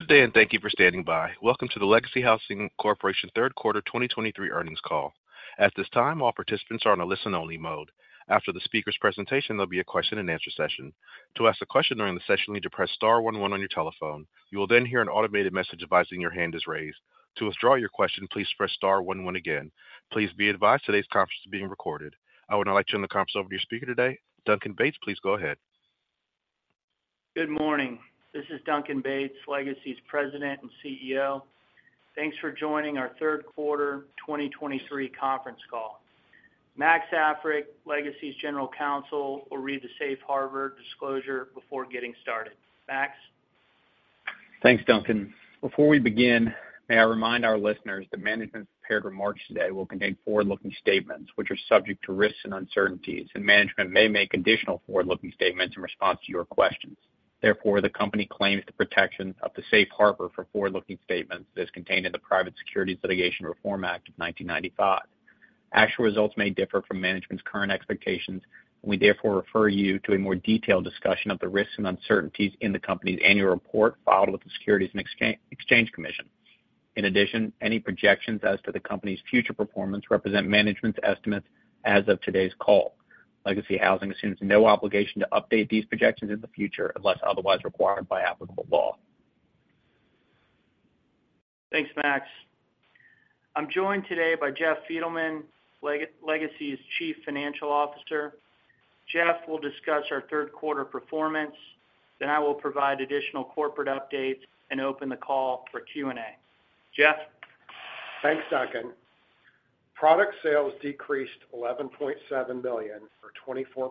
Good day, and thank you for standing by. Welcome to the Legacy Housing Corporation Third Quarter 2023 Earnings Call. At this time, all participants are on a listen-only mode. After the speaker's presentation, there'll be a question-and-answer session. To ask a question during the session, you need to press star one one on your telephone. You will then hear an automated message advising your hand is raised. To withdraw your question, please press star one one again. Please be advised today's conference is being recorded. I would now like to turn the conference over to your speaker today, Duncan Bates. Please go ahead. Good morning. This is Duncan Bates, Legacy's President and CEO. Thanks for joining our third quarter 2023 conference call. Max Africk, Legacy's General Counsel, will read the Safe Harbor disclosure before getting started. Max? Thanks, Duncan. Before we begin, may I remind our listeners that management's prepared remarks today will contain forward-looking statements, which are subject to risks and uncertainties, and management may make additional forward-looking statements in response to your questions. Therefore, the company claims the protection of the Safe Harbor for forward-looking statements as contained in the Private Securities Litigation Reform Act of 1995. Actual results may differ from management's current expectations, and we therefore refer you to a more detailed discussion of the risks and uncertainties in the company's annual report filed with the Securities and Exchange Commission. In addition, any projections as to the company's future performance represent management's estimates as of today's call. Legacy Housing assumes no obligation to update these projections in the future unless otherwise required by applicable law. Thanks, Max. I'm joined today by Jeff Fiedelman, Legacy's Chief Financial Officer. Jeff will discuss our third quarter performance, then I will provide additional corporate updates and open the call for Q&A. Jeff? Thanks, Duncan. Product sales decreased $11.7 billion, or 24%,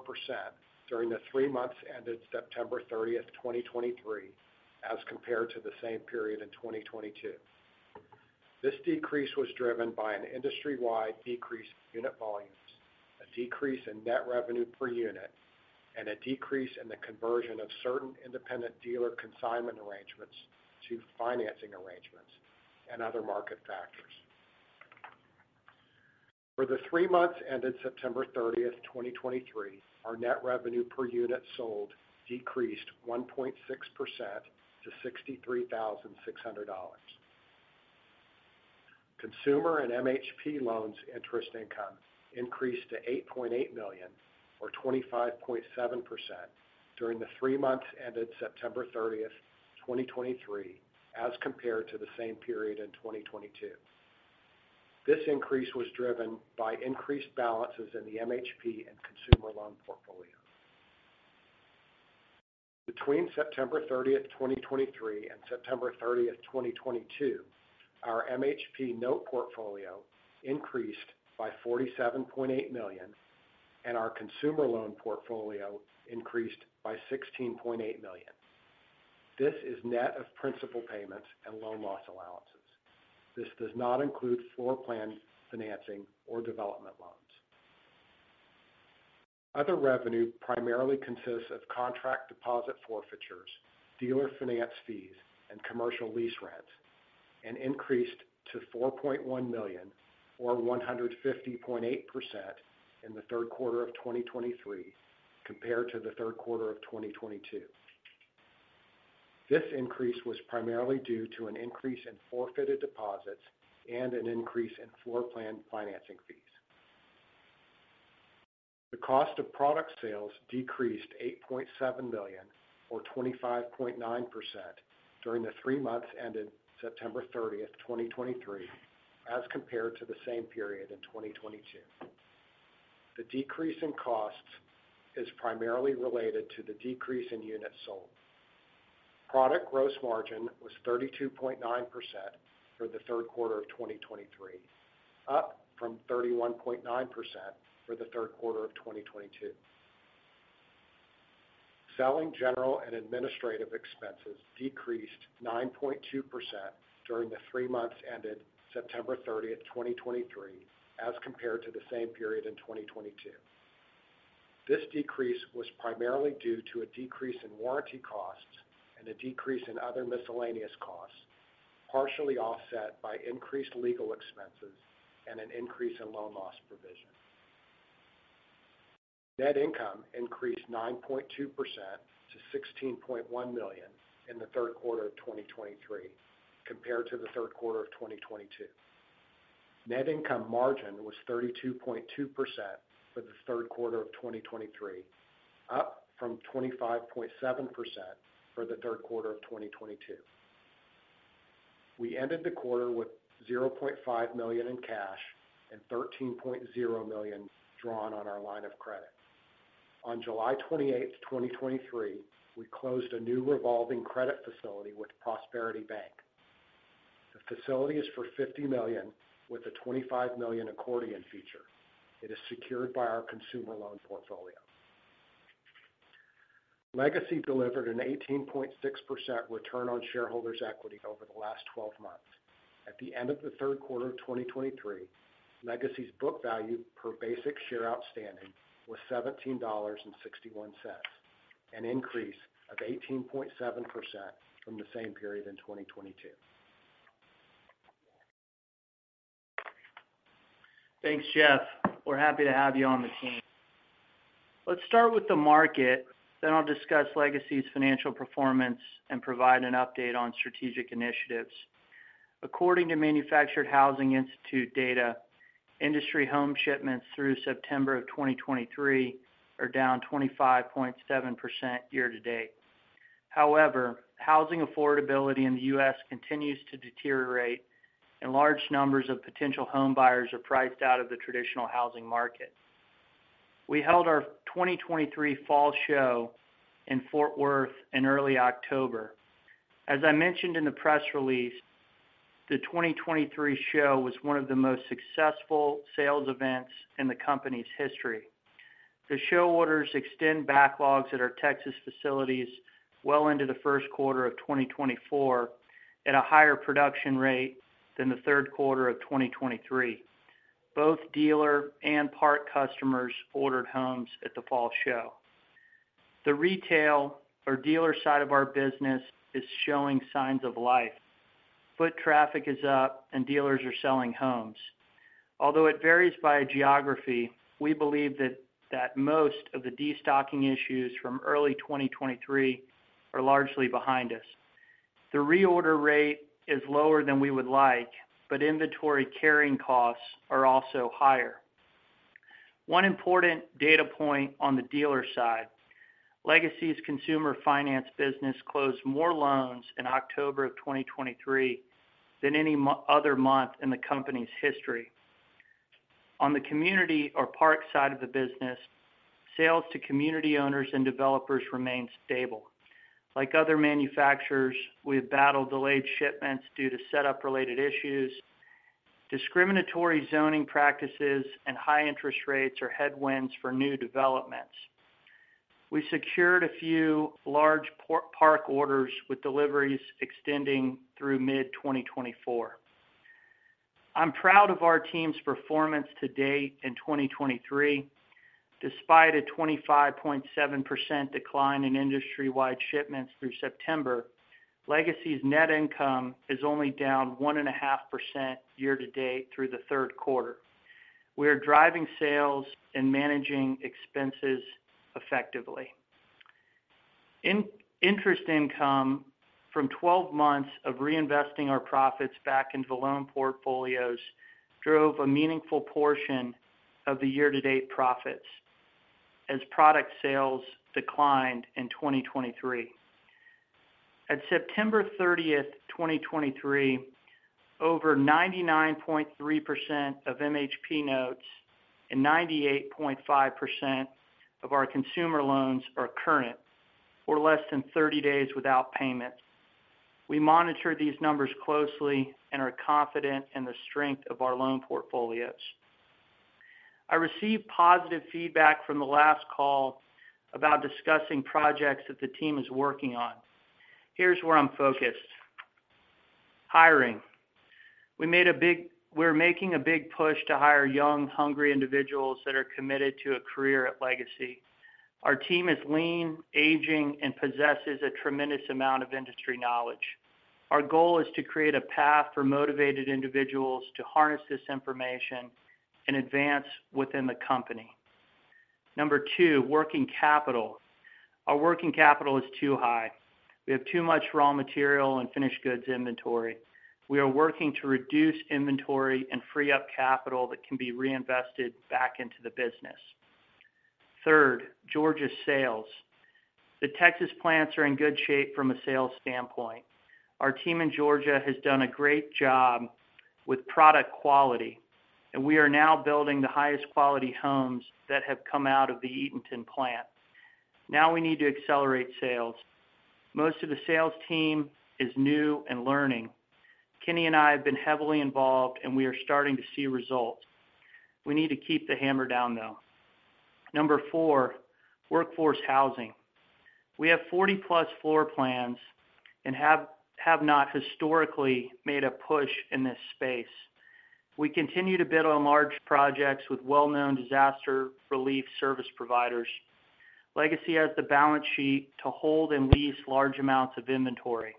during the three months ended September 30, 2023, as compared to the same period in 2022. This decrease was driven by an industry-wide decrease in unit volumes, a decrease in net revenue per unit, and a decrease in the conversion of certain independent dealer consignment arrangements to financing arrangements and other market factors. For the three months ended September 30, 2023, our net revenue per unit sold decreased 1.6% to $63,600. Consumer and MHP loans interest income increased to $8.8 million, or 25.7%, during the three months ended September 30, 2023, as compared to the same period in 2022. This increase was driven by increased balances in the MHP and consumer loan portfolios. Between September 30, 2023, and September 30, 2022, our MHP note portfolio increased by $47.8 million, and our consumer loan portfolio increased by $16.8 million. This is net of principal payments and loan loss allowances. This does not include floor plan financing or development loans. Other revenue primarily consists of contract deposit forfeitures, dealer finance fees, and commercial lease rents, and increased to $4.1 million, or 150.8%, in the third quarter of 2023, compared to the third quarter of 2022. This increase was primarily due to an increase in forfeited deposits and an increase in floor plan financing fees. The cost of product sales decreased $8.7 billion, or 25.9%, during the three months ended September 30, 2023, as compared to the same period in 2022. The decrease in costs is primarily related to the decrease in units sold. Product gross margin was 32.9% for the third quarter of 2023, up from 31.9% for the third quarter of 2022. Selling general and administrative expenses decreased 9.2% during the three months ended September thirtieth, 2023, as compared to the same period in 2022. This decrease was primarily due to a decrease in warranty costs and a decrease in other miscellaneous costs, partially offset by increased legal expenses and an increase in loan loss provision. Net income increased 9.2% to $16.1 million in the third quarter of 2023, compared to the third quarter of 2022. Net income margin was 32.2% for the third quarter of 2023, up from 25.7% for the third quarter of 2022. We ended the quarter with $0.5 million in cash and $13.0 million drawn on our line of credit. On July 28, 2023, we closed a new revolving credit facility with Prosperity Bank. The facility is for $50 million, with a $25 million accordion feature. It is secured by our consumer loan portfolio. Legacy delivered an 18.6% return on shareholders' equity over the last 12 months. At the end of the third quarter of 2023, Legacy's book value per basic share outstanding was $17.61, an increase of 18.7% from the same period in 2022. Thanks, Jeff. We're happy to have you on the team. Let's start with the market, then I'll discuss Legacy's financial performance and provide an update on strategic initiatives. According to Manufactured Housing Institute data, industry home shipments through September of 2023 are down 25.7% year to date. However, housing affordability in the U.S. continues to deteriorate, and large numbers of potential home buyers are priced out of the traditional housing market. We held our 2023 fall show in Fort Worth in early October. As I mentioned in the press release, the 2023 show was one of the most successful sales events in the company's history. The show orders extend backlogs at our Texas facilities well into the first quarter of 2024, at a higher production rate than the third quarter of 2023. Both dealer and park customers ordered homes at the fall show. The retail or dealer side of our business is showing signs of life. Foot traffic is up, and dealers are selling homes. Although it varies by geography, we believe that most of the destocking issues from early 2023 are largely behind us. The reorder rate is lower than we would like, but inventory carrying costs are also higher. One important data point on the dealer side, Legacy's consumer finance business closed more loans in October 2023 than any other month in the company's history. On the community or park side of the business, sales to community owners and developers remain stable. Like other manufacturers, we have battled delayed shipments due to setup-related issues, discriminatory zoning practices, and high interest rates are headwinds for new developments. We secured a few large park orders with deliveries extending through mid-2024. I'm proud of our team's performance to date in 2023. Despite a 25.7% decline in industry-wide shipments through September, Legacy's net income is only down 1.5% year-to-date through the third quarter. We are driving sales and managing expenses effectively. Interest income from 12 months of reinvesting our profits back into the loan portfolios drove a meaningful portion of the year-to-date profits as product sales declined in 2023. At September 30, 2023, over 99.3% of MHP notes and 98.5% of our consumer loans are current, or less than 30 days without payment. We monitor these numbers closely and are confident in the strength of our loan portfolios. I received positive feedback from the last call about discussing projects that the team is working on. Here's where I'm focused. Hiring. We're making a big push to hire young, hungry individuals that are committed to a career at Legacy. Our team is lean, aging, and possesses a tremendous amount of industry knowledge. Our goal is to create a path for motivated individuals to harness this information and advance within the company. Number two, working capital. Our working capital is too high. We have too much raw material and finished goods inventory. We are working to reduce inventory and free up capital that can be reinvested back into the business. Third, Georgia sales. The Texas plants are in good shape from a sales standpoint. Our team in Georgia has done a great job with product quality, and we are now building the highest quality homes that have come out of the Eatonton plant. Now we need to accelerate sales. Most of the sales team is new and learning. Kenny and I have been heavily involved, and we are starting to see results. We need to keep the hammer down, though. Number 4, workforce housing. We have 40-plus floor plans and have not historically made a push in this space. We continue to bid on large projects with well-known disaster relief service providers. Legacy has the balance sheet to hold and lease large amounts of inventory.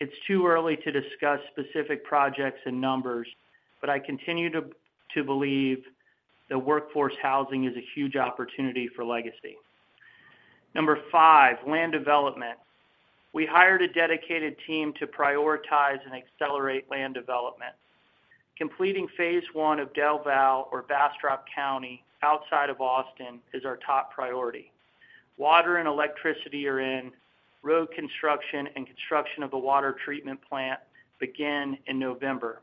It's too early to discuss specific projects and numbers, but I continue to believe that workforce housing is a huge opportunity for Legacy. Number 5, land development. We hired a dedicated team to prioritize and accelerate land development. Completing phase I of Del Valle or Bastrop County outside of Austin is our top priority. Water and electricity are in. Road construction and construction of a water treatment plant begin in November.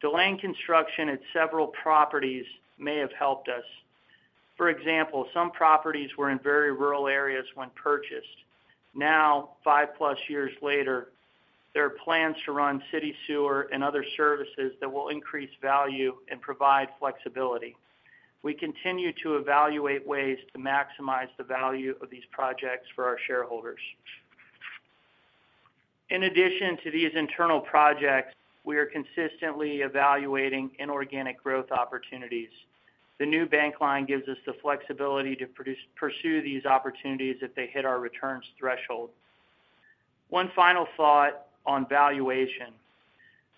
Delaying construction at several properties may have helped us. For example, some properties were in very rural areas when purchased. Now, 5+ years later, there are plans to run city sewer and other services that will increase value and provide flexibility. We continue to evaluate ways to maximize the value of these projects for our shareholders. In addition to these internal projects, we are consistently evaluating inorganic growth opportunities. The new bank line gives us the flexibility to pursue these opportunities if they hit our returns threshold. One final thought on valuation.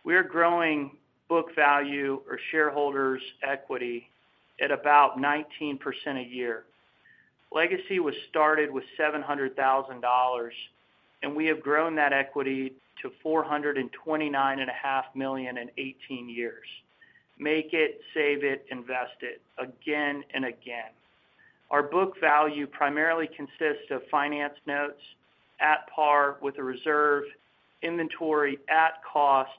We are growing book value or shareholders' equity at about 19% a year. Legacy was started with $700,000, and we have grown that equity to $429.5 million in 18 years. Make it, save it, invest it, again and again. Our book value primarily consists of finance notes at par with a reserve, inventory at cost,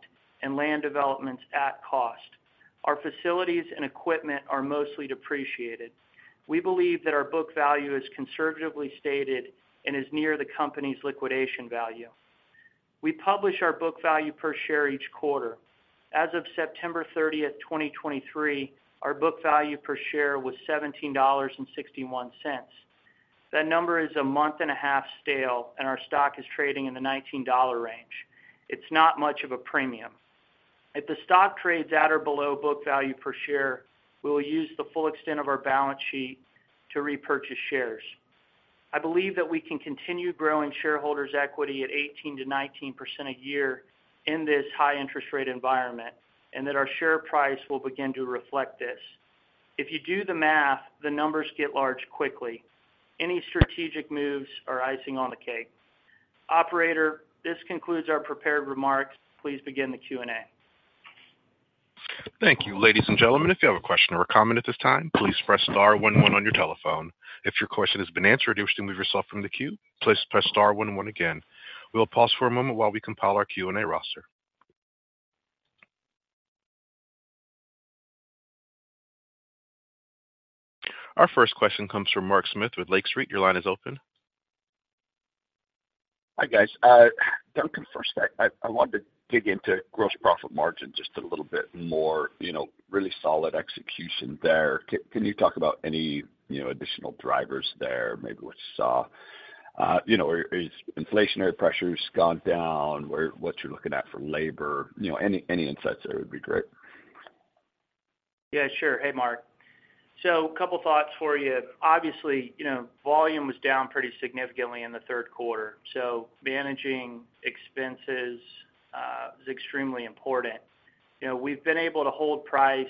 and land developments at cost. Our facilities and equipment are mostly depreciated. We believe that our book value is conservatively stated and is near the company's liquidation value. We publish our book value per share each quarter. As of September 30, 2023, our book value per share was $17.61. That number is a month and a half stale, and our stock is trading in the $19 range. It's not much of a premium. If the stock trades at or below book value per share, we will use the full extent of our balance sheet to repurchase shares. I believe that we can continue growing shareholders' equity at 18%-19% a year in this high interest rate environment, and that our share price will begin to reflect this. If you do the math, the numbers get large quickly. Any strategic moves are icing on the cake. Operator, this concludes our prepared remarks. Please begin the Q&A. Thank you. Ladies and gentlemen, if you have a question or a comment at this time, please press star one, one on your telephone. If your question has been answered, and you wish to remove yourself from the queue, please press star one, one again. We will pause for a moment while we compile our Q&A roster. Our first question comes from Mark Smith with Lake Street. Your line is open. Hi, guys. Duncan, first, I wanted to dig into gross profit margin just a little bit more, you know, really solid execution there. Can you talk about any, you know, additional drivers there? Maybe what you saw. You know, or is inflationary pressures gone down, what you're looking at for labor, you know, any, any insights there would be great. Yeah, sure. Hey, Mark. So a couple thoughts for you. Obviously, you know, volume was down pretty significantly in the third quarter, so managing expenses is extremely important. You know, we've been able to hold price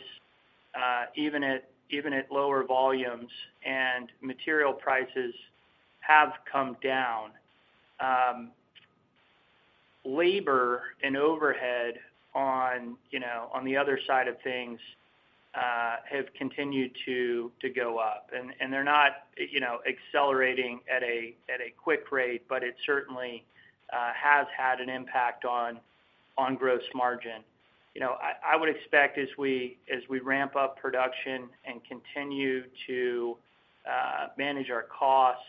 even at lower volumes, and material prices have come down. Labor and overhead on, you know, on the other side of things, have continued to go up, and they're not, you know, accelerating at a quick rate, but it certainly has had an impact on gross margin. You know, I would expect as we ramp up production and continue to manage our costs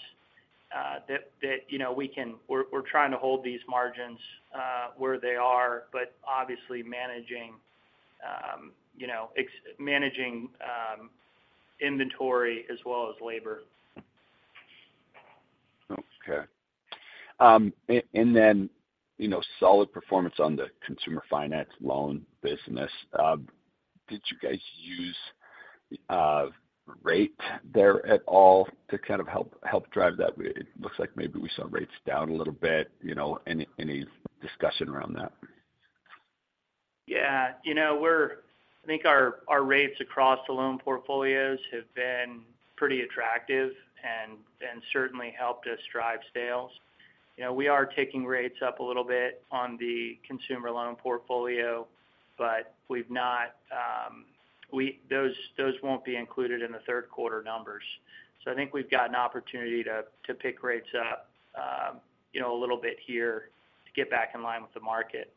that we can, we're trying to hold these margins where they are, but obviously managing inventory as well as labor. Okay. And then, you know, solid performance on the consumer finance loan business. Did you guys use rate there at all to kind of help drive that? It looks like maybe we saw rates down a little bit, you know, any discussion around that? Yeah, you know, we're. I think our rates across the loan portfolios have been pretty attractive and certainly helped us drive sales. You know, we are taking rates up a little bit on the consumer loan portfolio, but we've not, those won't be included in the third quarter numbers. So I think we've got an opportunity to pick rates up, you know, a little bit here to get back in line with the market.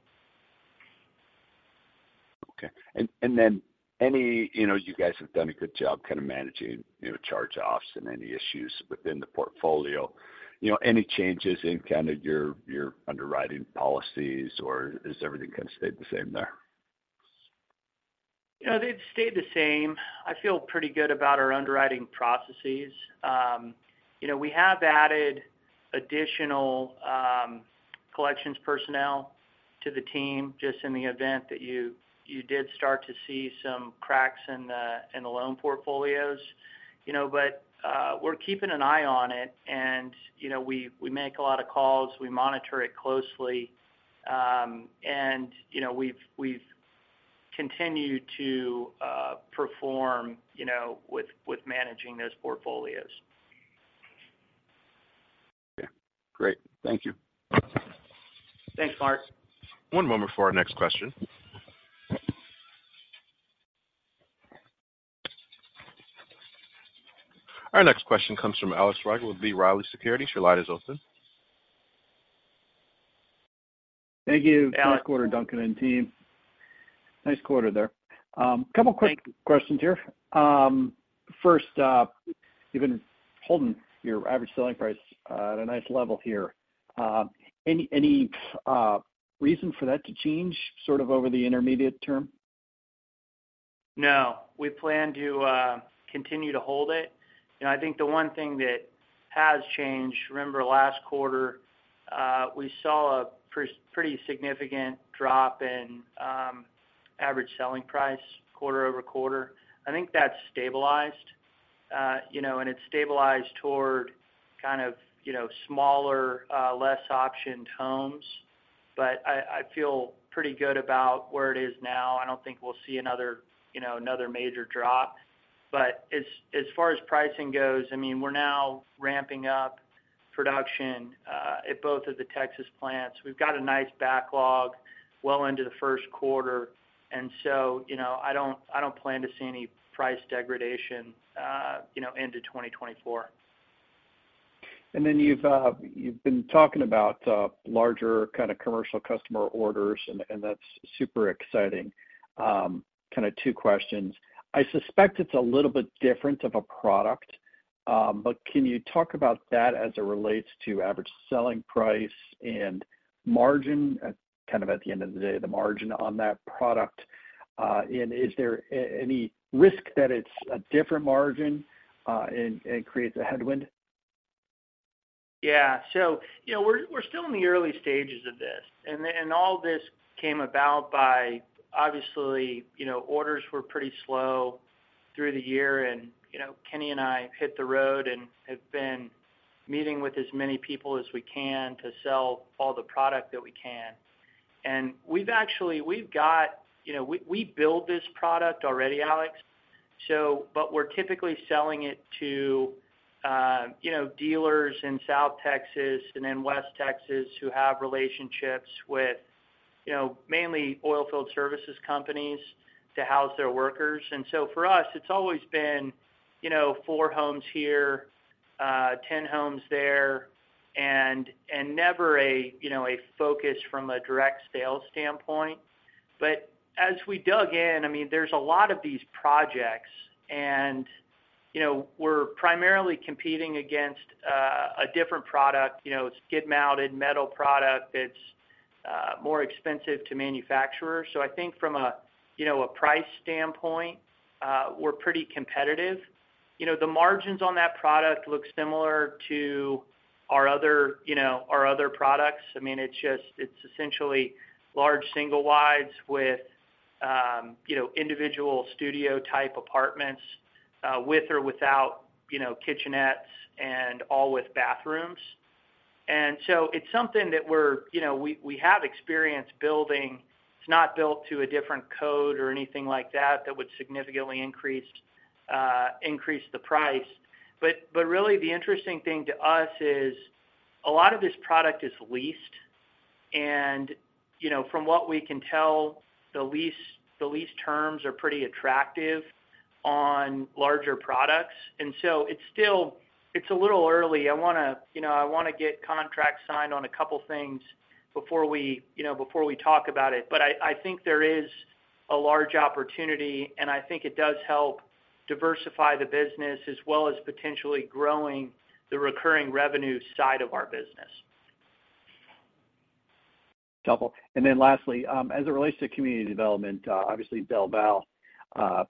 Okay. And then any, you know, you guys have done a good job kind of managing, you know, charge-offs and any issues within the portfolio. You know, any changes in kind of your underwriting policies, or has everything kind of stayed the same there? You know, they've stayed the same. I feel pretty good about our underwriting processes. You know, we have added additional collections personnel to the team just in the event that you did start to see some cracks in the loan portfolios. You know, but we're keeping an eye on it and, you know, we make a lot of calls, we monitor it closely, and, you know, we've continued to perform, you know, with managing those portfolios. Okay. Great. Thank you. Thanks, Mark. One moment for our next question. Our next question comes from Alex Rygiel with B. Riley Securities. Your line is open. Thank you. Hey, Alex. Great quarter, Duncan and team. Nice quarter there. Thanks. A couple quick questions here. First, you've been holding your average selling price at a nice level here. Any reason for that to change, sort of over the intermediate term? No, we plan to continue to hold it. You know, I think the one thing that has changed, remember last quarter, we saw a pretty significant drop in average selling price quarter over quarter. I think that's stabilized. You know, and it's stabilized toward kind of, you know, smaller less optioned homes. But I feel pretty good about where it is now. I don't think we'll see another, you know, another major drop. But as far as pricing goes, I mean, we're now ramping up production at both of the Texas plants. We've got a nice backlog well into the first quarter, and so, you know, I don't plan to see any price degradation, you know, into 2024. And then you've been talking about larger kind of commercial customer orders, and that's super exciting. Kind of two questions: I suspect it's a little bit different of a product, but can you talk about that as it relates to average selling price and margin, kind of at the end of the day, the margin on that product? And is there any risk that it's a different margin, and creates a headwind? Yeah. So, you know, we're, we're still in the early stages of this, and then, and all this came about by obviously, you know, orders were pretty slow through the year, and, you know, Kenny and I hit the road and have been meeting with as many people as we can to sell all the product that we can. And we've actually, we've got- you know, we, we build this product already, Alex. So, but we're typically selling it to, you know, dealers in South Texas and in West Texas, who have relationships with, you know, mainly oil field services companies to house their workers. And so for us, it's always been, you know, 4 homes here, 10 homes there, and, and never a, you know, a focus from a direct sales standpoint. But as we dug in, I mean, there's a lot of these projects and, you know, we're primarily competing against a different product, you know, it's skid-mounted metal product, it's more expensive to manufacture. So I think from a, you know, a price standpoint, we're pretty competitive. You know, the margins on that product look similar to our other, you know, our other products. I mean, it's essentially large single wides with, you know, individual studio-type apartments, with or without, you know, kitchenettes and all with bathrooms. And so it's something that we're, you know, we have experience building. It's not built to a different code or anything like that, that would significantly increase the price. But really the interesting thing to us is, a lot of this product is leased, and, you know, from what we can tell, the lease terms are pretty attractive on larger products. And so it's a little early. I wanna, you know, get contracts signed on a couple things before we, you know, talk about it. But I think there is a large opportunity, and I think it does help diversify the business, as well as potentially growing the recurring revenue side of our business. Double. And then lastly, as it relates to community development, obviously Del Valle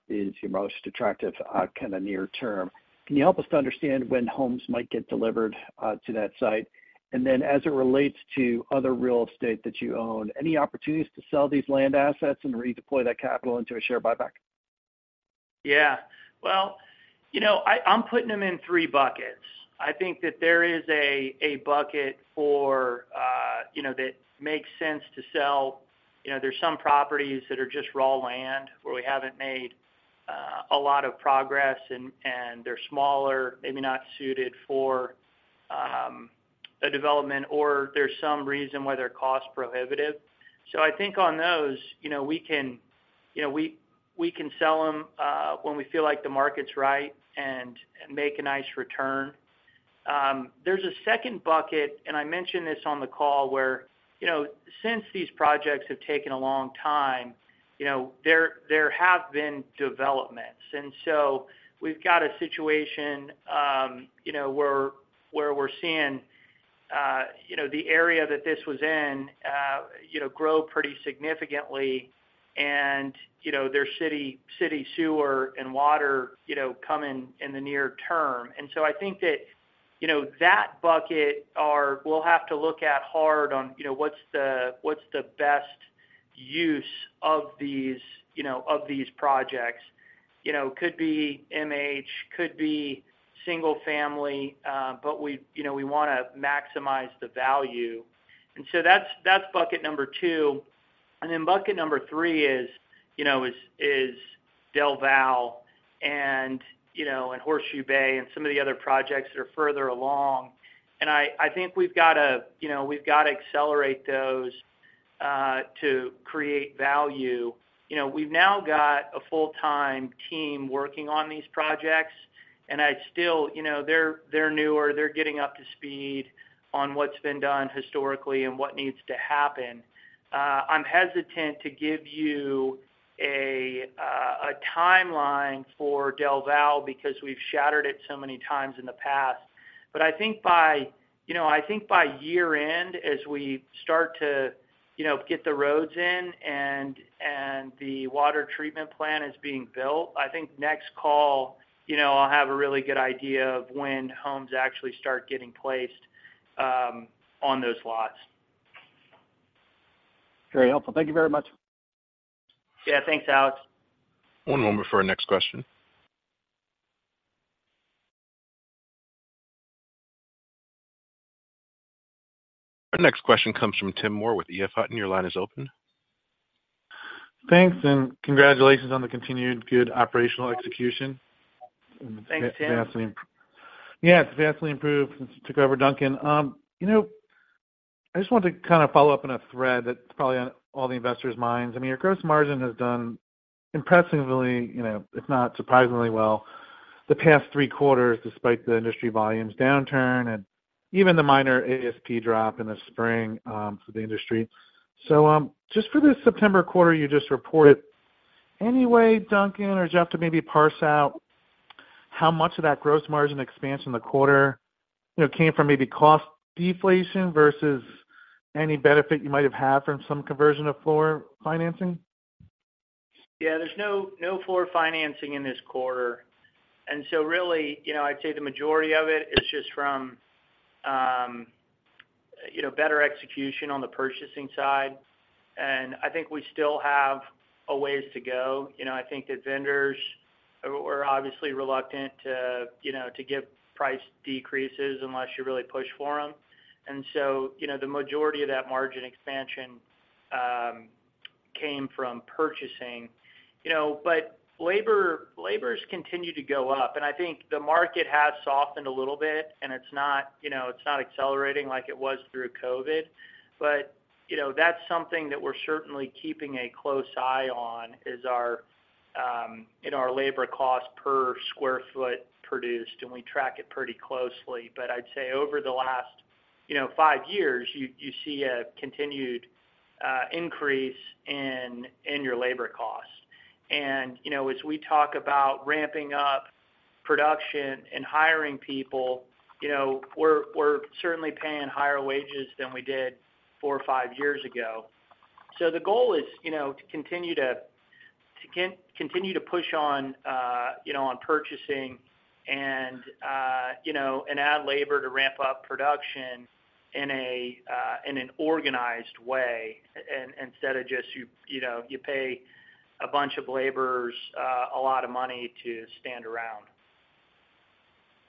is your most attractive kind of near term. Can you help us to understand when homes might get delivered to that site? And then as it relates to other real estate that you own, any opportunities to sell these land assets and redeploy that capital into a share buyback? Yeah. Well, you know, I'm putting them in three buckets. I think that there is a bucket for, you know, that makes sense to sell. You know, there's some properties that are just raw land, where we haven't made a lot of progress and they're smaller, maybe not suited for a development, or there's some reason why they're cost prohibitive. So I think on those, you know, we can, you know, we can sell them when we feel like the market's right and make a nice return. There's a second bucket, and I mentioned this on the call where, you know, since these projects have taken a long time, you know, there have been developments. And so we've got a situation, you know, where we're seeing, you know, the area that this was in, you know, grow pretty significantly, and, you know, their city sewer and water, you know, come in, in the near term. And so I think that, you know, that bucket, we'll have to look at hard on, you know, what's the, what's the best use of these, you know, of these projects. You know, could be MH, could be single family, but we, you know, we wanna maximize the value. And so that's, that's bucket number two. And then bucket number three is, you know, is, is Del Valle and, you know, and Horseshoe Bay, and some of the other projects that are further along. And I, I think we've got to, you know, we've got to accelerate those, to create value. You know, we've now got a full-time team working on these projects, and I'd still- you know, they're, they're newer, they're getting up to speed on what's been done historically and what needs to happen. I'm hesitant to give you a timeline for Del Valle because we've shattered it so many times in the past. But I think by, you know, I think by year-end, as we start to, you know, get the roads in and the water treatment plant is being built, I think next call, you know, I'll have a really good idea of when homes actually start getting placed on those lots. Very helpful. Thank you very much. Yeah, thanks, Alex. One moment before our next question. Our next question comes from Tim Moore with EF Hutton. Your line is open. Thanks, and congratulations on the continued good operational execution. Thanks, Tim. Vastly. Yeah, it's vastly improved since you took over, Duncan. You know, I just wanted to kind of follow up on a thread that's probably on all the investors' minds. I mean, your gross margin has done impressively, you know, if not surprisingly well, the past three quarters, despite the industry volumes downturn and even the minor ASP drop in the spring, for the industry. So, just for the September quarter, you just reported, anyway, Duncan or Jeff, to maybe parse out how much of that gross margin expansion in the quarter, you know, came from maybe cost deflation versus any benefit you might have had from some conversion of floor financing? Yeah, there's no floor plan financing in this quarter. And so really, you know, I'd say the majority of it is just from, you know, better execution on the purchasing side, and I think we still have a ways to go. You know, I think that vendors are obviously reluctant to, you know, to give price decreases unless you really push for them. And so, you know, the majority of that margin expansion came from purchasing. You know, but labor's continued to go up, and I think the market has softened a little bit, and it's not, you know, it's not accelerating like it was through COVID. But, you know, that's something that we're certainly keeping a close eye on, is our in our labor cost per sq ft produced, and we track it pretty closely. But I'd say over the last, you know, five years, you see a continued increase in your labor costs. And, you know, as we talk about ramping up production and hiring people, you know, we're certainly paying higher wages than we did four or five years ago. So the goal is, you know, to continue to push on, you know, on purchasing and, you know, and add labor to ramp up production in an organized way, instead of just, you know, you pay a bunch of laborers a lot of money to stand around.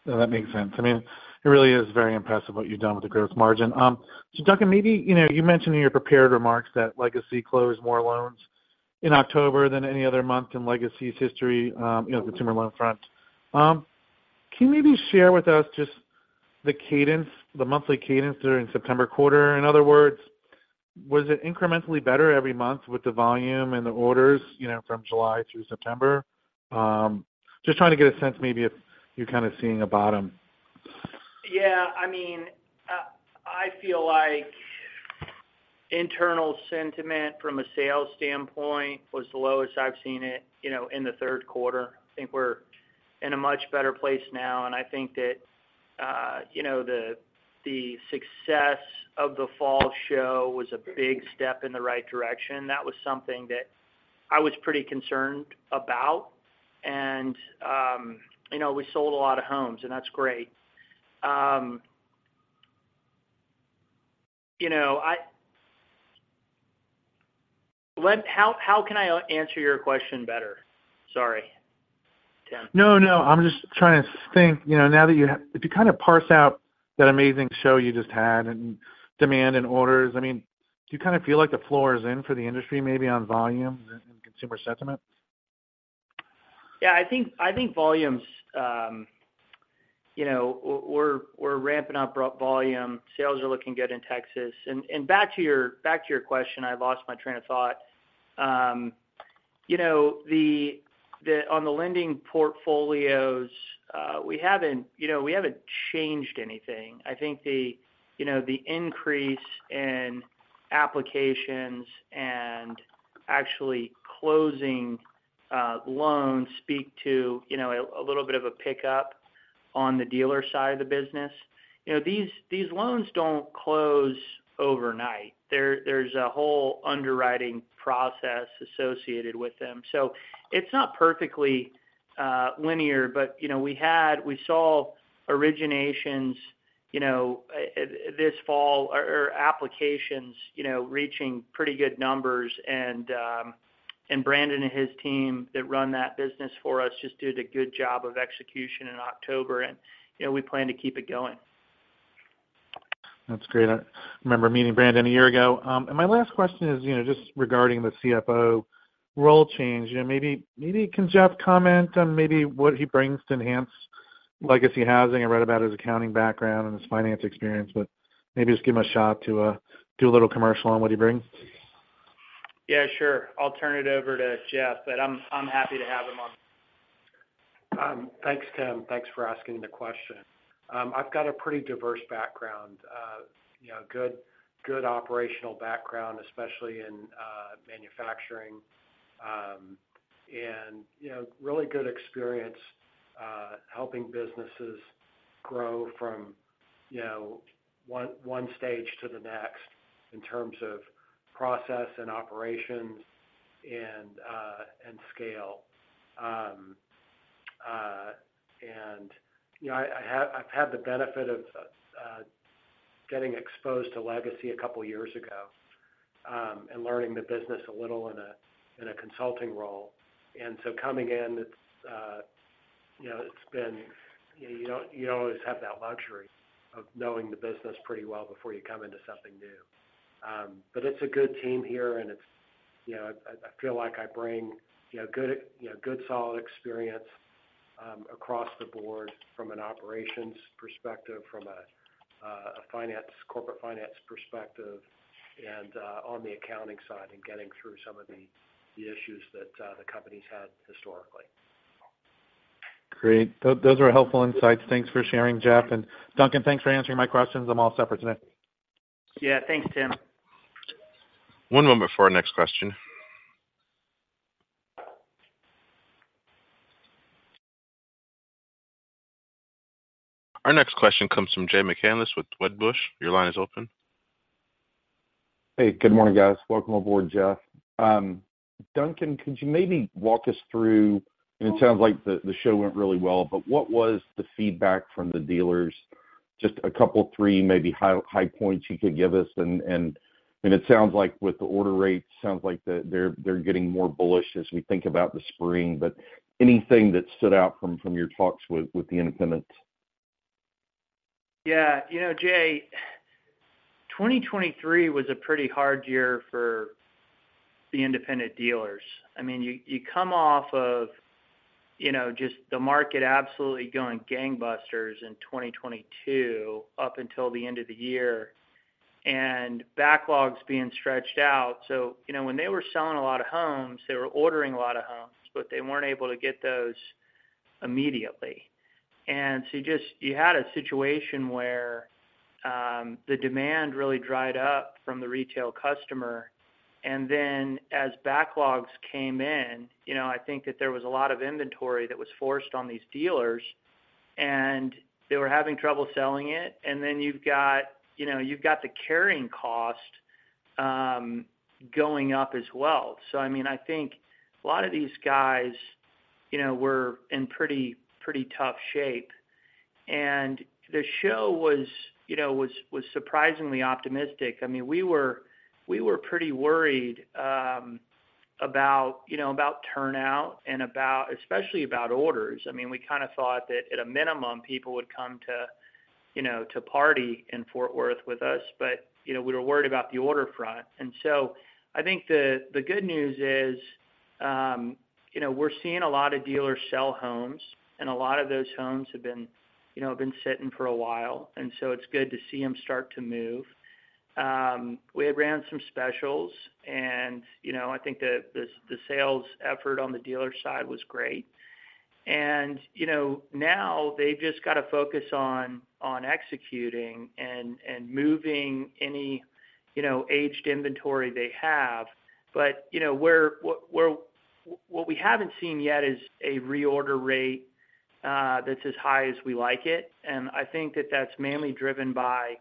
No, that makes sense. I mean, it really is very impressive what you've done with the gross margin. So Duncan, maybe, you know, you mentioned in your prepared remarks that Legacy closed more loans in October than any other month in Legacy's history, you know, the consumer loan front. Can you maybe share with us just the cadence, the monthly cadence during September quarter? In other words, was it incrementally better every month with the volume and the orders, you know, from July through September? Just trying to get a sense, maybe if you're kind of seeing a bottom. Yeah, I mean, I feel like internal sentiment from a sales standpoint was the lowest I've seen it, you know, in the third quarter. I think we're in a much better place now, and I think that, you know, the success of the fall show was a big step in the right direction. That was something that I was pretty concerned about. And, you know, we sold a lot of homes, and that's great. You know, how can I answer your question better? Sorry, Tim. No, no, I'm just trying to think, you know, now that you have, if you kind of parse out that amazing show you just had and demand and orders, I mean, do you kind of feel like the floor is in for the industry, maybe on volume and consumer sentiment? Yeah, I think volumes, you know, we're ramping up volume. Sales are looking good in Texas. Back to your question, I lost my train of thought. You know, on the lending portfolios, we haven't, you know, changed anything. I think the increase in applications and actually closing loans speak to a little bit of a pickup on the dealer side of the business. You know, these loans don't close overnight. There's a whole underwriting process associated with them. So it's not perfectly linear, but, you know, we saw originations, you know, this fall, or applications, you know, reaching pretty good numbers. Brandon and his team that run that business for us just did a good job of execution in October, and, you know, we plan to keep it going. That's great. I remember meeting Brandon a year ago. And my last question is, you know, just regarding the CFO role change, you know, maybe, maybe can Jeff comment on maybe what he brings to enhance Legacy Housing? I read about his accounting background and his finance experience, but maybe just give him a shot to do a little commercial on what he brings. Yeah, sure. I'll turn it over to Jeff, but I'm happy to have him on onboard. Thanks, Tim. Thanks for asking the question. I've got a pretty diverse background, you know, good, good operational background, especially in manufacturing, and, you know, really good experience helping businesses grow from, you know, one stage to the next in terms of process and operations and scale. And, you know, I have. I've had the benefit of getting exposed to Legacy a couple years ago, and learning the business a little in a consulting role. And so coming in, it's you know, it's been, you know, you don't, you don't always have that luxury of knowing the business pretty well before you come into something new. But it's a good team here, and it's, you know, I feel like I bring, you know, good, you know, good, solid experience, across the board from an operations perspective, from a finance-corporate finance perspective, and on the accounting side, and getting through some of the issues that the company's had historically. Great. Those are helpful insights. Thanks for sharing, Jeff. And Duncan, thanks for answering my questions. I'm all set for today. Yeah. Thanks, Tim. One moment before our next question. Our next question comes from Jay McCanless with Wedbush. Your line is open. Hey, good morning, guys. Welcome aboard, Jeff. Duncan, could you maybe walk us through, it sounds like the show went really well, but what was the feedback from the dealers? Just a couple three, maybe high points you could give us. I mean, it sounds like with the order rates, they're getting more bullish as we think about the spring, but anything that stood out from your talks with the independents? Yeah. You know, Jay, 2023 was a pretty hard year for the independent dealers. I mean, you, you come off of, you know, just the market absolutely going gangbusters in 2022, up until the end of the year, and backlogs being stretched out. So, you know, when they were selling a lot of homes, they were ordering a lot of homes, but they weren't able to get those immediately. And so you just, you had a situation where, the demand really dried up from the retail customer, and then as backlogs came in, you know, I think that there was a lot of inventory that was forced on these dealers, and they were having trouble selling it. And then you've got, you know, you've got the carrying cost, going up as well. So I mean, I think a lot of these guys, you know, were in pretty, pretty tough shape. And the show was, you know, surprisingly optimistic. I mean, we were pretty worried about turnout and about, especially about orders. I mean, we kind of thought that at a minimum, people would come to, you know, to party in Fort Worth with us, but, you know, we were worried about the order front. And so I think the good news is, you know, we're seeing a lot of dealers sell homes, and a lot of those homes have been sitting for a while, and so it's good to see them start to move. We had ran some specials and, you know, I think the sales effort on the dealer side was great. You know, now they've just got to focus on executing and moving any, you know, aged inventory they have. But, you know, what we haven't seen yet is a reorder rate that's as high as we like it, and I think that's mainly driven by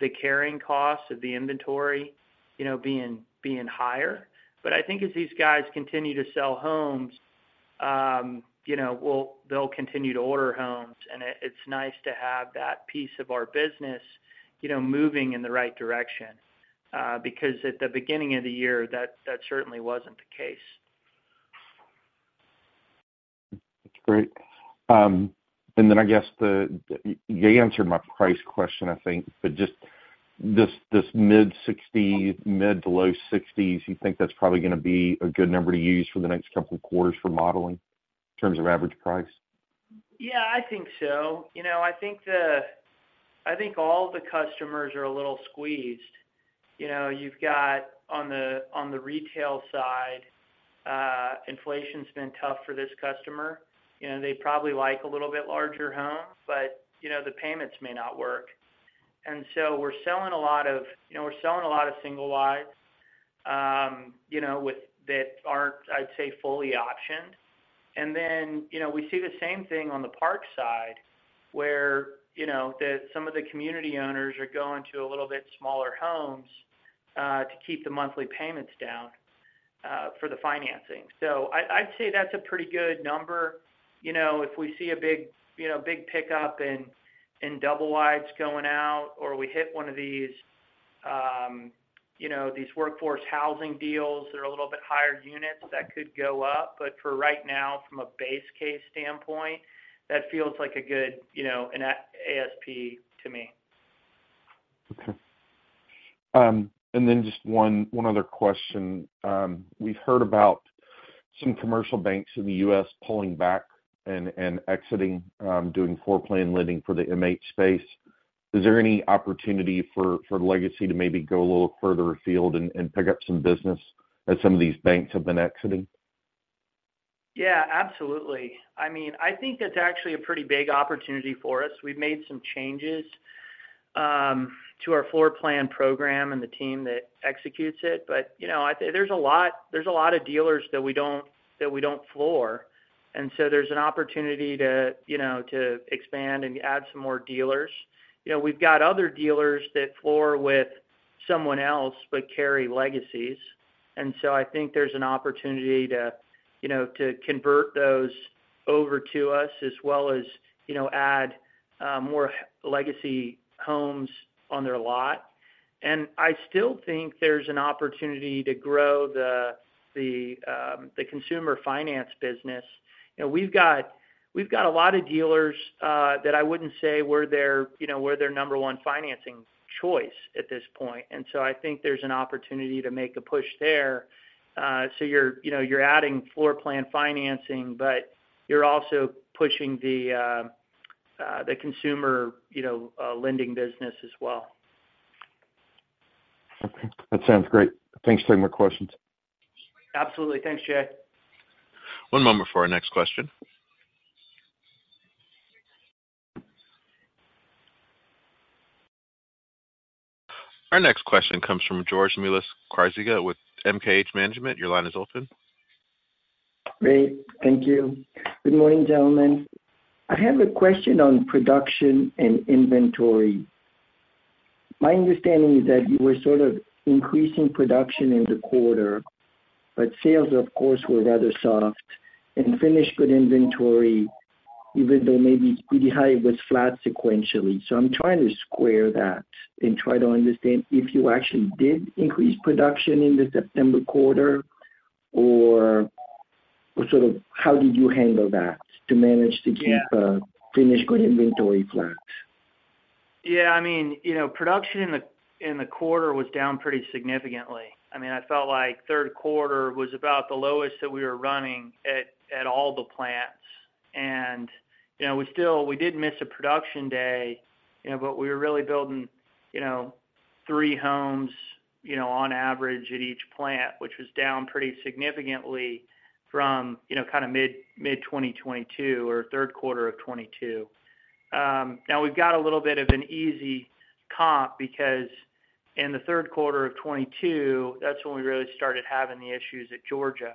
the carrying costs of the inventory, you know, being higher. But I think as these guys continue to sell homes, you know, they'll continue to order homes, and it's nice to have that piece of our business, you know, moving in the right direction, because at the beginning of the year, that certainly wasn't the case. That's great. And then I guess you answered my price question, I think, but just this, this mid-$60s, mid to low $60s, you think that's probably gonna be a good number to use for the next couple of quarters for modeling, in terms of average price? Yeah, I think so. You know, I think all the customers are a little squeezed. You know, you've got on the retail side, inflation's been tough for this customer. You know, they probably like a little bit larger homes, but, you know, the payments may not work. And so we're selling a lot of, you know, we're selling a lot of single wides, you know, with- that aren't, I'd say, fully optioned. And then, you know, we see the same thing on the park side, where, you know, some of the community owners are going to a little bit smaller homes, to keep the monthly payments down, for the financing. So I'd say that's a pretty good number. You know, if we see a big, you know, big pickup in double wides going out or we hit one of these, you know, these workforce housing deals that are a little bit higher units, that could go up. But for right now, from a base case standpoint, that feels like a good, you know, an ASP to me. Okay. And then just one other question. We've heard about some commercial banks in the U.S. pulling back and exiting doing floor plan lending for the MH space. Is there any opportunity for Legacy to maybe go a little further afield and pick up some business as some of these banks have been exiting? Yeah, absolutely. I mean, I think that's actually a pretty big opportunity for us. We've made some changes to our floorplan program and the team that executes it. But, you know, there's a lot of dealers that we don't floor, and so there's an opportunity to, you know, to expand and add some more dealers. You know, we've got other dealers that floor with someone else, but carry Legacies. And so I think there's an opportunity to, you know, to convert those over to us as well as, you know, add more Legacy homes on their lot. And I still think there's an opportunity to grow the consumer finance business. You know, we've got, we've got a lot of dealers, that I wouldn't say we're their, you know, we're their number one financing choice at this point, and so I think there's an opportunity to make a push there. So you're, you know, you're adding floor plan financing, but you're also pushing the, the consumer, you know, lending business as well. Okay. That sounds great. Thanks for taking my questions. Absolutely. Thanks, Jay. One moment before our next question. Our next question comes from George Melas-Kyriazi with MKH Management. Your line is open. Great. Thank you. Good morning, gentlemen. I have a question on production and inventory. My understanding is that you were sort of increasing production in the quarter, but sales, of course, were rather soft, and finished goods inventory, even though maybe pretty high, was flat sequentially. So I'm trying to square that and try to understand if you actually did increase production in the September quarter, or sort of how did you handle that to manage to keep finished goods inventory flat? Yeah, I mean, you know, production in the quarter was down pretty significantly. I mean, I felt like third quarter was about the lowest that we were running at all the plants. And, you know, we still, we did miss a production day, you know, but we were really building, you know, 3 homes, you know, on average at each plant, which was down pretty significantly from, you know, kind of mid-2022 or third quarter of 2022. Now we've got a little bit of an easy comp because in the third quarter of 2022, that's when we really started having the issues at Georgia.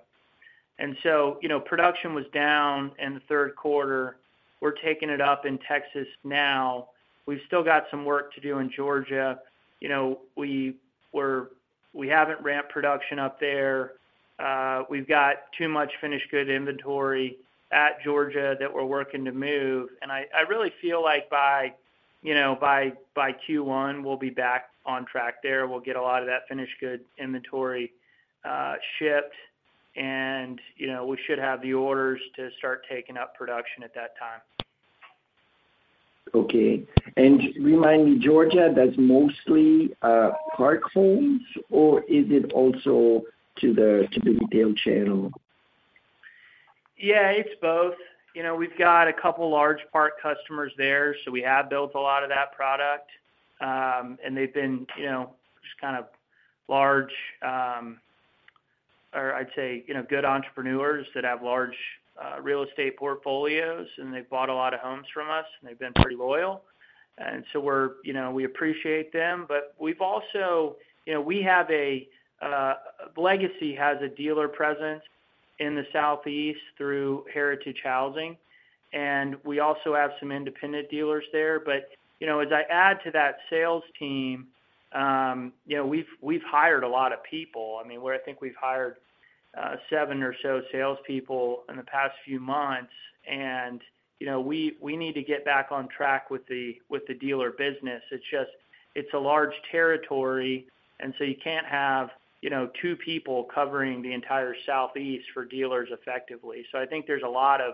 And so, you know, production was down in the third quarter. We're taking it up in Texas now. We've still got some work to do in Georgia. You know, we were, we haven't ramped production up there. We've got too much finished good inventory at Georgia that we're working to move, and I really feel like by, you know, by Q1, we'll be back on track there. We'll get a lot of that finished good inventory shipped, and, you know, we should have the orders to start taking up production at that time. Okay. And remind me, Georgia, that's mostly park homes, or is it also to the retail channel? Yeah, it's both. You know, we've got a couple large park customers there, so we have built a lot of that product. And they've been, you know, just kind of large, or I'd say, you know, good entrepreneurs that have large, real estate portfolios, and they've bought a lot of homes from us, and they've been pretty loyal. And so we're, you know, we appreciate them, but we've also, you know, we have a, Legacy has a dealer presence in the Southeast through Heritage Housing, and we also have some independent dealers there. But, you know, as I add to that sales team, you know, we've, we've hired a lot of people. I mean, where I think we've hired seven or so salespeople in the past few months, and, you know, we need to get back on track with the dealer business. It's just, it's a large territory, and so you can't have, you know, two people covering the entire Southeast for dealers effectively. So I think there's a lot of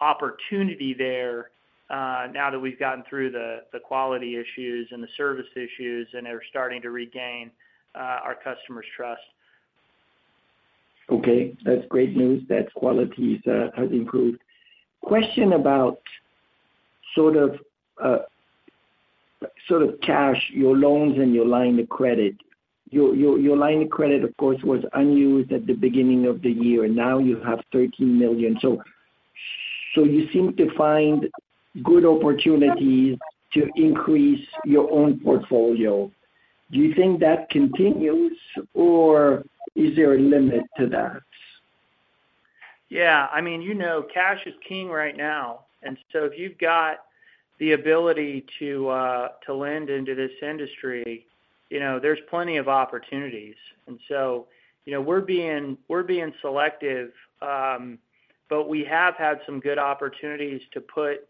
opportunity there, now that we've gotten through the quality issues and the service issues, and are starting to regain our customers' trust. Okay, that's great news that quality has improved. Question about sort of cash, your loans, and your line of credit. Your line of credit, of course, was unused at the beginning of the year, now you have $13 million. So you seem to find good opportunities to increase your own portfolio. Do you think that continues, or is there a limit to that? Yeah, I mean, you know, cash is king right now, and so if you've got the ability to to lend into this industry, you know, there's plenty of opportunities. And so, you know, we're being, we're being selective, but we have had some good opportunities to put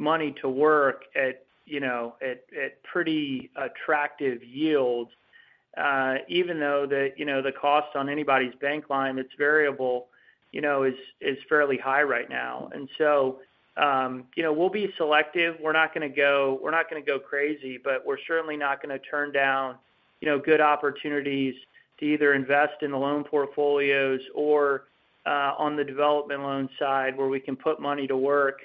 money to work at, you know, at, at pretty attractive yields, even though the, you know, the cost on anybody's bank line, it's variable, you know, is, is fairly high right now. And so, you know, we'll be selective. We're not going to go crazy, but we're certainly not going to turn down, you know, good opportunities to either invest in the loan portfolios or on the development loan side, where we can put money to work,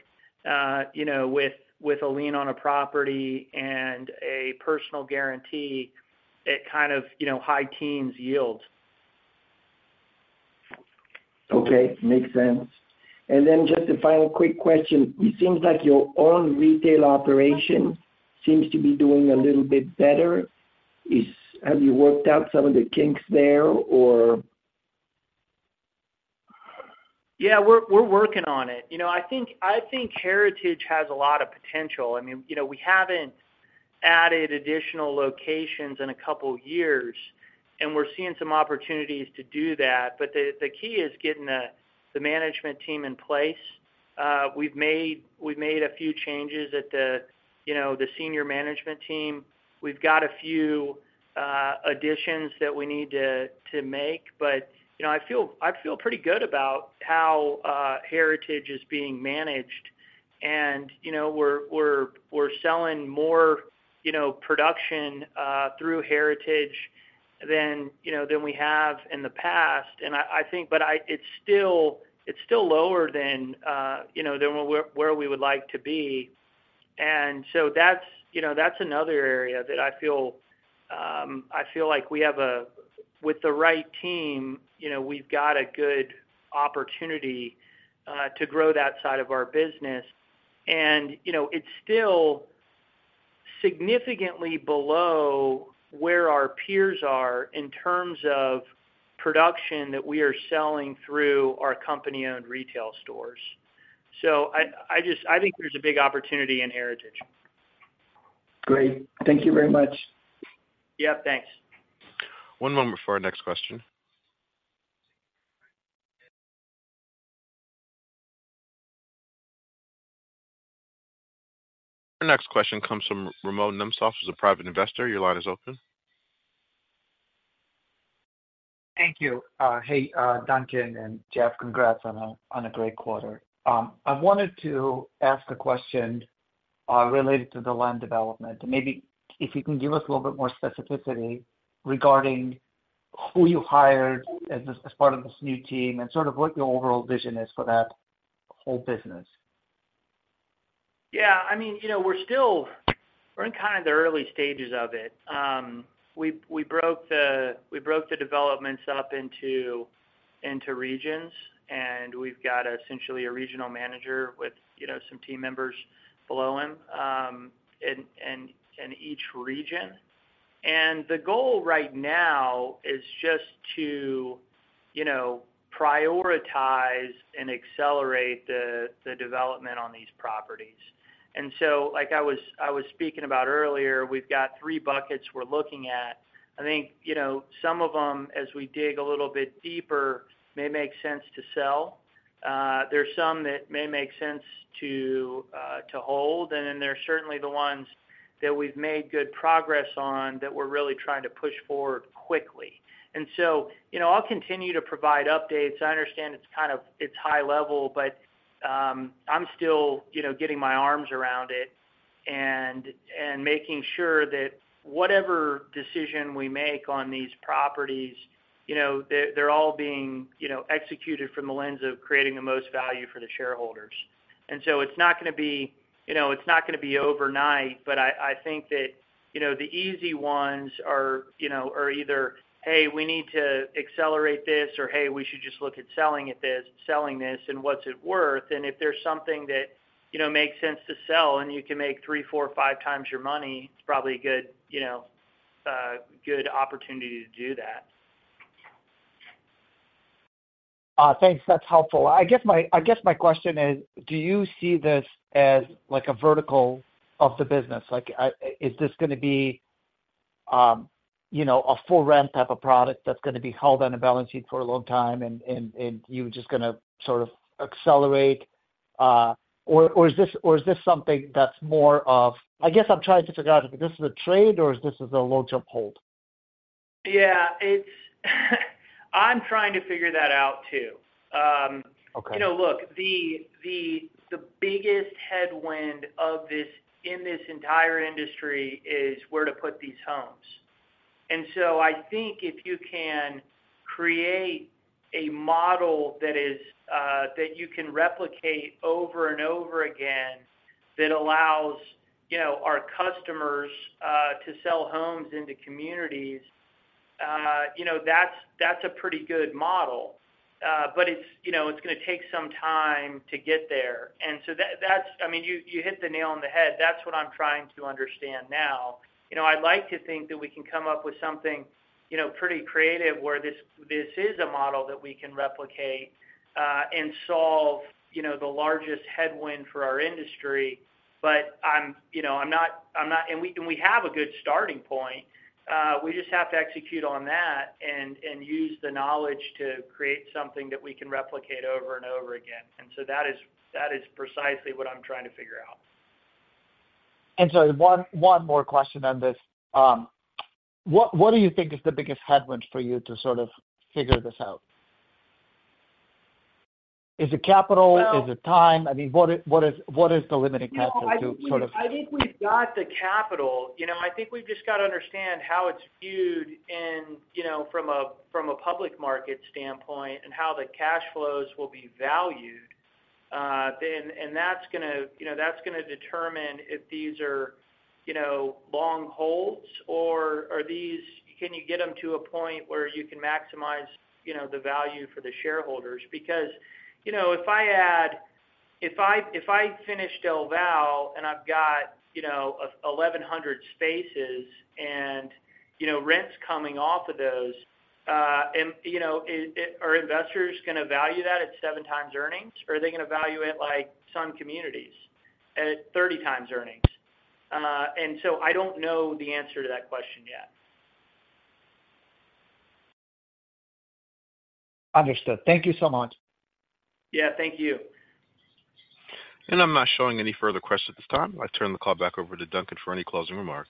you know, with a lien on a property and a personal guarantee at kind of, you know, high teens yield. Okay. Makes sense. And then just a final quick question: It seems like your own retail operation seems to be doing a little bit better. Have you worked out some of the kinks there, or? Yeah, we're working on it. You know, I think Heritage has a lot of potential. I mean, you know, we haven't added additional locations in a couple years, and we're seeing some opportunities to do that. But the key is getting the management team in place. We've made a few changes at the senior management team. We've got a few additions that we need to make, but you know, I feel pretty good about how Heritage is being managed. And you know, we're selling more production through Heritage than we have in the past. And I think-- but it's still lower than where we would like to be. And so that's, you know, that's another area that I feel. I feel like we have, with the right team, you know, we've got a good opportunity to grow that side of our business. And, you know, it's still significantly below where our peers are in terms of production that we are selling through our company-owned retail stores. So, I just think there's a big opportunity in Heritage. Great. Thank you very much. Yeah, thanks. One moment for our next question. Our next question comes from Roman Nemtsov, who's a private investor. Your line is open. Thank you. Hey, Duncan and Jeff, congrats on a great quarter. I wanted to ask a question related to the land development. Maybe if you can give us a little bit more specificity regarding who you hired as part of this new team and sort of what your overall vision is for that whole business. Yeah, I mean, you know, we're still in kind of the early stages of it. We broke the developments up into regions, and we've got essentially a regional manager with, you know, some team members below him, in each region. And the goal right now is just to, you know, prioritize and accelerate the development on these properties. And so, like I was speaking about earlier, we've got three buckets we're looking at. I think, you know, some of them, as we dig a little bit deeper, may make sense to sell. There are some that may make sense to hold, and then there are certainly the ones that we've made good progress on that we're really trying to push forward quickly. And so, you know, I'll continue to provide updates. I understand it's kind of- it's high level, but I'm still, you know, getting my arms around it and making sure that whatever decision we make on these properties, you know, they're all being, you know, executed from the lens of creating the most value for the shareholders. And so it's not gonna be, you know, it's not gonna be overnight, but I think that, you know, the easy ones are, you know, either, hey, we need to accelerate this, or, hey, we should just look at selling this and what's it worth? And if there's something that, you know, makes sense to sell and you can make three, four, or five times your money, it's probably a good, you know, good opportunity to do that. Thanks. That's helpful. I guess my question is, do you see this as like a vertical of the business? Like, is this gonna be, you know, a full rent type of product that's gonna be held on a balance sheet for a long time, and you're just gonna sort of accelerate? Or is this something that's more of, I guess I'm trying to figure out if this is a trade or if this is a long-term hold. Yeah, it's, I'm trying to figure that out, too. Okay. You know, look, the biggest headwind of this, in this entire industry is where to put these homes. And so I think if you can create a model that is, that you can replicate over and over again, that allows, you know, our customers, to sell homes into communities, you know, that's, that's a pretty good model. But it's, you know, it's gonna take some time to get there. And so that, that's-- I mean, you hit the nail on the head. That's what I'm trying to understand now. You know, I'd like to think that we can come up with something, you know, pretty creative, where this, this is a model that we can replicate, and solve, you know, the largest headwind for our industry. But I'm, you know, I'm not, I'm not—and we, and we have a good starting point. We just have to execute on that and, and use the knowledge to create something that we can replicate over and over again. And so that is, that is precisely what I'm trying to figure out. One, one more question on this. What do you think is the biggest headwind for you to sort of figure this out? Is it capital? Is it time? I mean, what is the limiting factor to sort of- No, I think we've, I think we've got the capital. You know, I think we've just got to understand how it's viewed and, you know, from a, from a public market standpoint and how the cash flows will be valued. Then, and that's gonna, you know, that's gonna determine if these are, you know, long holds or, are these—can you get them to a point where you can maximize, you know, the value for the shareholders? Because, you know, if I finish Del Valle, and I've got, you know, 1,100 spaces and, you know, rents coming off of those, and, you know, are investors gonna value that at 7 times earnings, or are they gonna value it like Sun Communities at 30 times earnings? And so I don't know the answer to that question yet. Understood. Thank you so much. Yeah, thank you. I'm not showing any further questions at this time. I turn the call back over to Duncan for any closing remarks.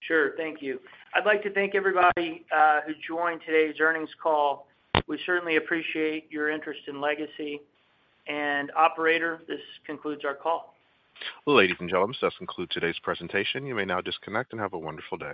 Sure. Thank you. I'd like to thank everybody who joined today's earnings call. We certainly appreciate your interest in Legacy. Operator, this concludes our call. Ladies and gentlemen, this concludes today's presentation. You may now disconnect and have a wonderful day.